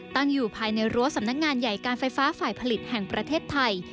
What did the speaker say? ตั้งอยู่ภายในรั้วสำนักงานใหญ่การไฟฟ้าฝ่ายผลิตแห่งประเทศไทย